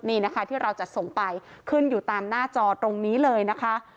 นี่นะคะที่เราจะส่งไปขึ้นอยู่ตามหน้าจอตรงนี้เลยนะคะ